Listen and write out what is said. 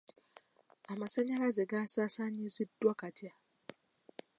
Amasannyalaze gasaasaanyiziddwa gatya?